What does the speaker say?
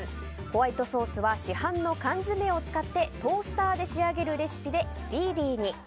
ホワイトソースは市販の缶詰を使ってトースターで仕上げるレシピでスピーディーに。